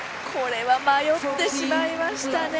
これは迷ってしまいましたね。